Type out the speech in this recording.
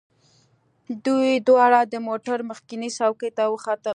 دوی دواړه د موټر مخکینۍ څوکۍ ته وختل